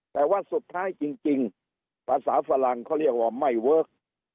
แต่ว่าสุดท้ายจริงภาษาฝรั่งเขาเรียกว่าไม่เวิร์ค